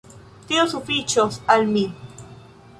Tio sufiĉos al mi.